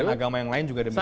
agama yang lain juga demikian